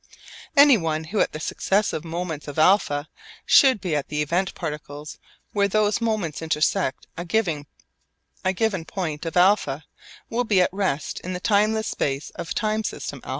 Anyone who at the successive moments of α should be at the event particles where those moments intersect a given point of α will be at rest in the timeless space of time system α.